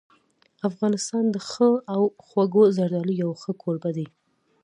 افغانستان د ښو او خوږو زردالو یو ښه کوربه دی.